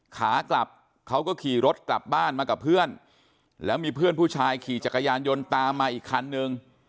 ขากลับเขาก็ขี่รถกลับบ้านมากับเพื่อนแล้วมีเพื่อนผู้ชายขี่จักรยานยนต์ตามมาอีกคันนึง